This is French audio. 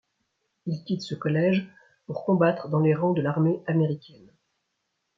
Il quitte ce collège pour combattre dans les rangs de l’armée américaine.